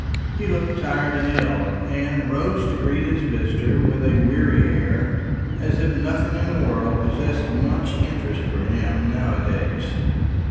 He looked tired and ill, and rose to greet his visitor with a weary air, as if nothing in the world possessed much interest for him now a days.